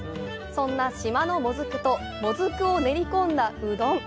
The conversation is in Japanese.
そんな島のもずくと、もずくを練り込んだうどん！